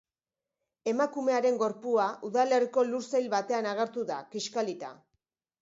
Emakumearen gorpua udalerriko lursail batean agertu da, kiskalita.